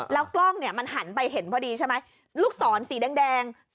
แล้วกล้องเนี่ยมันหันไปเห็นพอดีใช่ไหมลูกศรสีแดง